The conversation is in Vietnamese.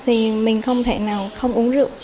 thì mình không thể nào không uống rượu